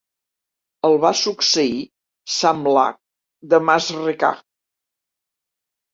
El va succeir Samlah de Masrekah.